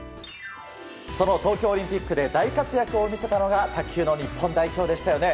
その東京オリンピックで大活躍を見せたのが卓球の日本代表でしたよね。